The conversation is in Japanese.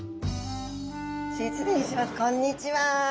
こんにちは。